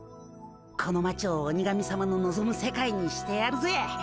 この町を鬼神さまののぞむ世界にしてやるぜ。